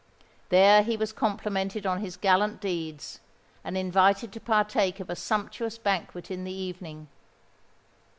There he was complimented on his gallant deeds, and invited to partake of a sumptuous banquet in the evening.